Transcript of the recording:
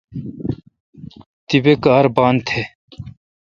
تیپہ کار بان تھ